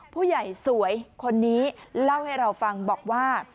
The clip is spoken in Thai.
ผู้ใหญ่สวยคนนี้เล่าให้เราฟังบอกว่า